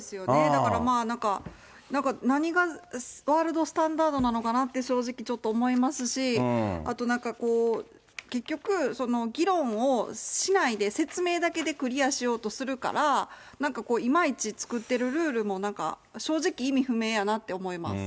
だから、なんか何がワールドスタンダードなのかなって、正直、ちょっと思いますし、あとなんか結局、議論をしないで、説明だけでクリアしようとするから、なんかこう、いまいち作ってるルールも、なんか正直、意味不明やなと思います。